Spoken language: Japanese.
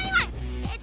えっと